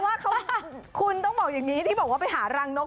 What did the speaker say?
ว่าคุณต้องบอกอย่างนี้ที่บอกว่าไปหารังนก